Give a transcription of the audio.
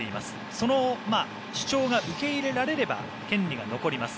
その主張が受け入れられれば権利が残ります。